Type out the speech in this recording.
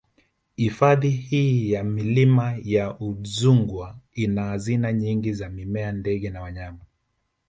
Hifadhi hii ya Milima ya Udzungwa ina hazina nyingi za mimea ndege na wanyama